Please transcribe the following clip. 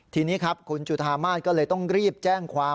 ทีนี้ครับคุณจุธามาศก็เลยต้องรีบแจ้งความ